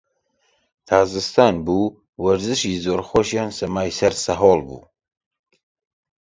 تا زستان بوو، وەرزشی زۆر خۆشیان سەمای سەر سەهۆڵ بوو